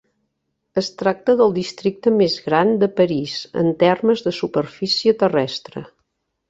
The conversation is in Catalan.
Es tracta del districte més gran de París en termes de superfície terrestre.